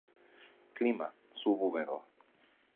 Clima: sub-húmedo.